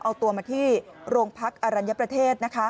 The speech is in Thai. ออกตัวมาที่โรงพักธรรยัปรเทศ